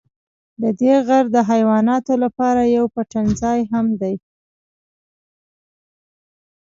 ددې غر د حیواناتو لپاره یو پټنځای هم دی.